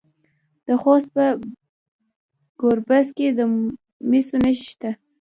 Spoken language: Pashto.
د خوست په ګربز کې د مسو نښې شته.